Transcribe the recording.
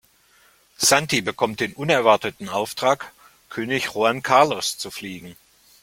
Santi bekommt den unerwarteten Auftrag, König Juan Carlos zu fliegen.